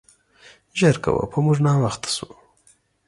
زر کوه, په مونګ ناوخته شو.